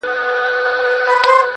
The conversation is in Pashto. د دې رنګونو له بازار سره مي نه لګیږي-